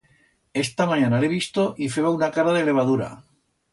Esta manyana l'he visto y feba una cara de levadura.